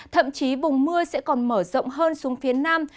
thậm chí vùng mưa sẽ còn mở rộng hơn xuống phía nam